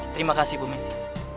terima kasih ibu messi